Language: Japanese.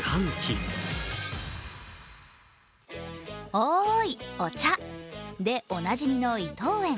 おい、お茶！でおなじみの伊藤園。